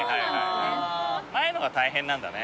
前のが大変なんだね。